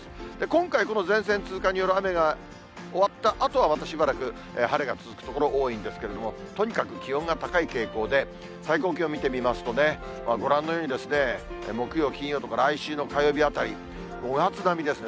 今回、この前線通過による雨が終わったあとは、またしばらく晴れが続く所、多いんですけれども、とにかく気温が高い傾向で、最高気温見てみますとね、ご覧のように、木曜、金曜とか来週の火曜日あたり、５月並みですね。